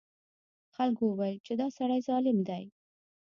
خلکو وویل چې دا سړی ظالم دی.